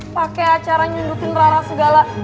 pake acara nyundukin rara segala